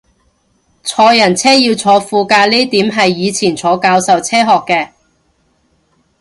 坐人車要坐副駕呢點係以前坐教授車學嘅